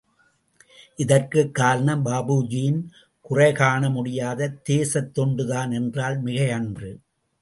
இதற்குக் காரணம் பாபுஜியின் குறை காண முடியாத தேசத் தொண்டுதான் என்றால் மிகையன்று!